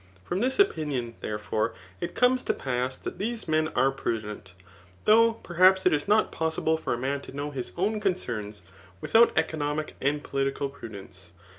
From this opinion, therefore, it comes to pass that these men are prudent ; though perhaps it is not pos^Ie for a man to know his own concerns without economic and politi cal prudence.